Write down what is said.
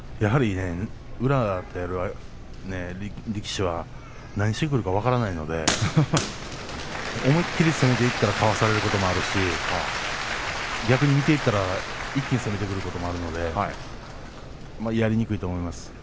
宇良という力士は何をしてくるか分からないので思い切り攻めていったらかわされることもあるし逆に見ていたら一気に攻めてくることもあるのでやりにくいと思います。